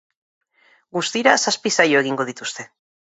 Guztira zazpi saio egingo dituzte.